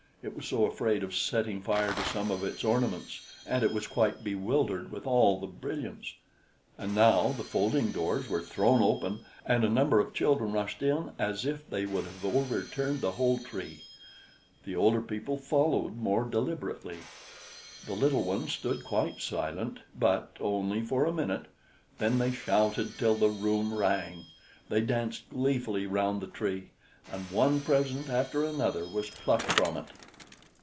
It was so afraid of setting fire to some of its ornaments, and it was quite bewildered with all the brilliance. And now the folding doors were thrown open, and a number of children rushed in as if they would have overturned the whole Tree; the older people followed more deliberately. The little ones stood quite silent, but only for a minute; then they shouted till the room rang: they danced gleefully round the Tree, and one present after another was plucked from it.